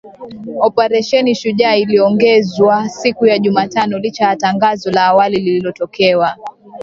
Operesheni Shujaa iliongezwa siku ya Jumatano licha ya tangazo la awali lililotolewa